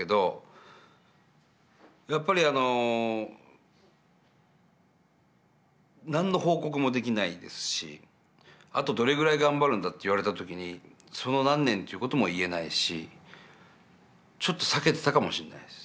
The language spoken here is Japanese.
やっぱりあの何の報告もできないですしあとどれぐらい頑張るんだって言われた時に何年という事も言えないしちょっと避けてたかもしんないです。